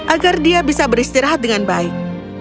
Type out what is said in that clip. agar dia bisa beristirahat dengan baik